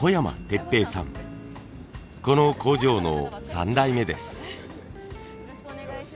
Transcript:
この工場の３代目です。